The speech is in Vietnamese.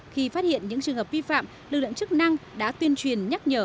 khi phát hiện những trường hợp vi phạm lực lượng chức năng đã tuyên truyền nhắc nhở